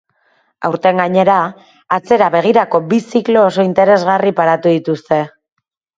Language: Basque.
Aurten, gainera, atzera begirako bi ziklo oso interesgarri paratu dituzte.